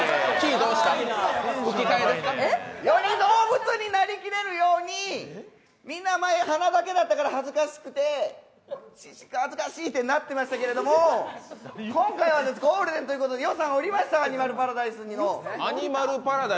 どうした？より動物になりきれるように、みんな前は鼻だけだったから、恥ずかしいってなってましたけど、今回はゴールデンということで予算が下りました、アニマルパラダイスにも。